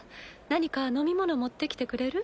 何か飲み物持ってきてくれる？